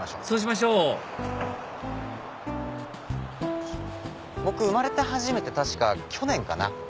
そうしましょう僕生まれて初めて確か去年かな。